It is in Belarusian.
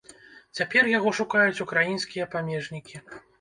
Цяпер яго шукаюць украінскія памежнікі.